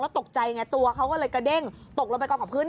แล้วตกใจตัวเขาเลยกระเด้งตกลงกลอมกลองของพื้น